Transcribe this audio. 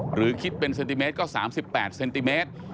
หรือคิดเป็นเซนติเมตรก็๓๘เซนติเมตร